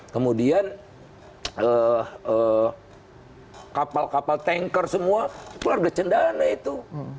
kemudian kapal kapal tanker semua keluarga cendana itu